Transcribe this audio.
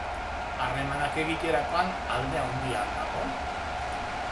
Harremanak egiterakoan alde handia al dago?